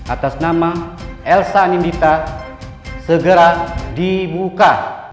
atas nama elsa anindita segera dibuka